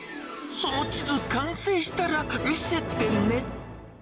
その地図、完成したら見せてね。